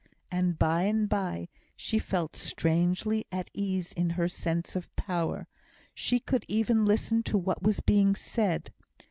And by and by she felt strangely at ease in her sense of power. She could even listen to what was being said.